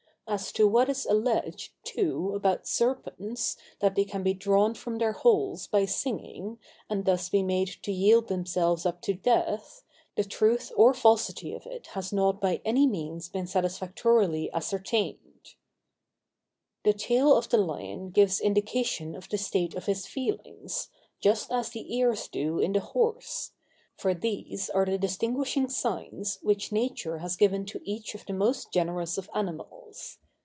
As to what is alleged, too, about serpents, that they can be drawn from their holes by singing, and thus be made to yield themselves up to death, the truth or falsity of it has not by any means been satisfactorily ascertained. [Illustration: GAMBIAN LION.—Leo Gambianus.] The tail of the lion gives indication of the state of his feelings, just as the ears do in the horse; for these are the distinguishing signs which Nature has given to each of the most generous of animals.